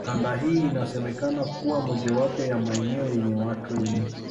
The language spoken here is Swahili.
Kanda hii inasemekana kuwa mojawapo ya maeneo yenye watu wengi